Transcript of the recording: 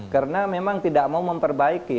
karena memang tidak mau memperbaiki